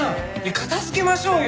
片づけましょうよ！